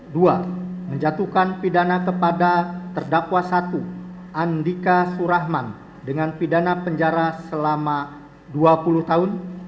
dua menjatuhkan pidana kepada terdakwa satu andika surahman dengan pidana penjara selama dua puluh tahun